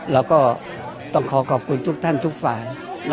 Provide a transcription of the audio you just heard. แล้วก็ต้องขอขอบคุณทุกท่านทุกฝ่าย